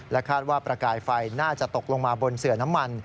คาดว่าประกายไฟน่าจะตกลงมาบนเสือน้ำมัน